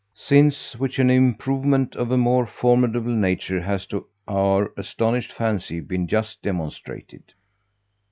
Since which an IMPROVEMENT of a more formidable nature has to our astonished fancy been just demonstrated.